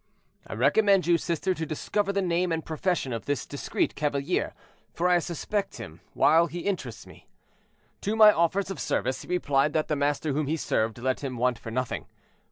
"I recommend you, sister, to discover the name and profession of this discreet cavalier; for I suspect him, while he interests me. To my offers of service, he replied that the master whom he served let him want for nothing.